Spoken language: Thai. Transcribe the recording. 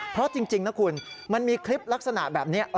เพราะจริงนะคุณมันมีคลิปลักษณะแบบนี้